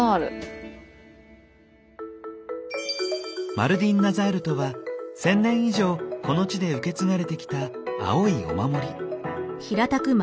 マルディンナザールとは１，０００年以上この地で受け継がれてきた青いお守り。